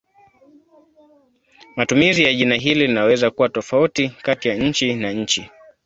Matumizi ya jina hili linaweza kuwa tofauti kati ya nchi na nchi.